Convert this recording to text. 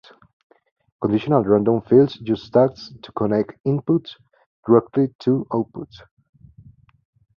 Conditional random fields use tags to connect inputs directly to outputs.